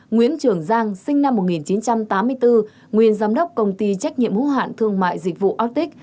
nguyễn trường giang sinh năm một nghìn chín trăm tám mươi bốn nguyên giám đốc công ty trách nhiệm hữu hạn thương mại dịch vụ aotic